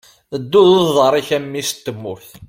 Ddu d uḍar-ik a mmi-s n tmurt!